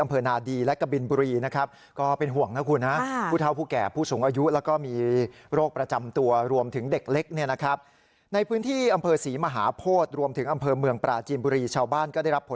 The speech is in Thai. อำเภอนาดีและกะบินบุรี